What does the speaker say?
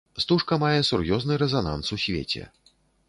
Стужка мае сур'ёзны рэзананс у свеце.